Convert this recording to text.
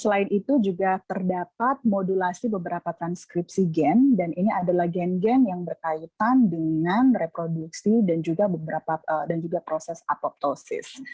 selain itu juga terdapat modulasi beberapa transkripsi gen dan ini adalah gen gen yang berkaitan dengan reproduksi dan juga proses apoptosis